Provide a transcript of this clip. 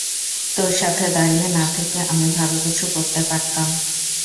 তোর সাথে দাড়িঁয়ে না থেকে আমি ভালো কিছু করতে পারতাম।